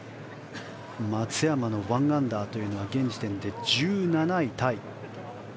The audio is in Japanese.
松山の１アンダーは現時点で１７位タイ。